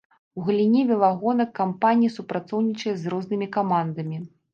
У галіне велагонак кампанія супрацоўнічае з рознымі камандамі.